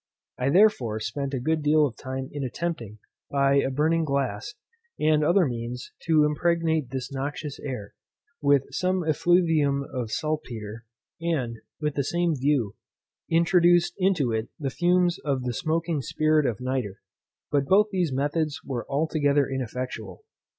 I therefore spent a good deal of time in attempting, by a burning glass, and other means, to impregnate this noxious air, with some effluvium of saltpetre, and, with the same view, introduced into it the fumes of the smoaking spirit of nitre; but both these methods were altogether ineffectual.